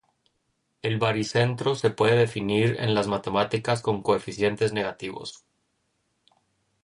El baricentro se puede definir en las matemáticas con coeficientes negativos.